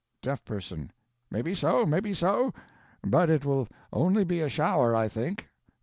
Deaf Person. Maybe so, maybe so; but it will only be a shower, I think.